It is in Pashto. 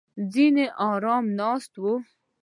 ځینې ارامه ناست وو.